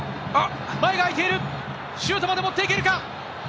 前が空いている、シュートまで持っていけるか。